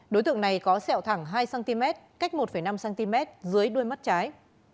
đối tượng này có sẹo thẳng hai cm cách một năm cm dưới đuôi mắt trái